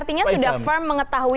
artinya sudah firm mengetahui